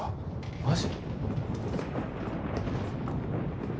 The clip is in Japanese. マジ？